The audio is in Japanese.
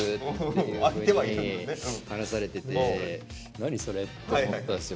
「何それ」って思ったんですよ